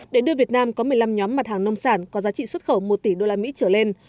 để đưa việt nam có một mươi năm nhóm mặt hàng nông sản có giá trị xuất khẩu một tỷ usd trở lên